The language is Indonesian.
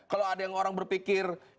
kalau ada yang orang berpikir